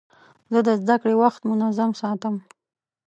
زه د زدهکړې وخت منظم ساتم.